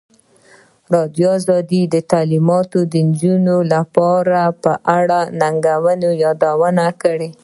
ازادي راډیو د تعلیمات د نجونو لپاره په اړه د ننګونو یادونه کړې.